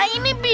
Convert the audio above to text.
nah ini bisa